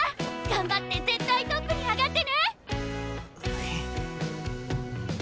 頑張って絶対トップに上がってね！へへ。